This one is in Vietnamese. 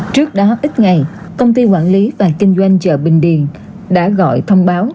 trước đó ít ngày công ty quản lý và kinh doanh chợ bình điền đã gọi thông báo